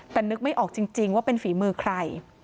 แต่นึกไม่ออกจริงว่าเป็นฝีมือใคร